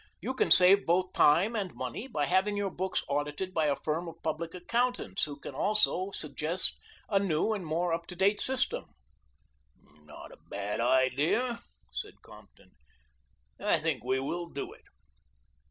You can save both time and money by having your books audited by a firm of public accountants who can also suggest a new and more up to date system." "Not a bad idea," said Compton. "I think we will do it."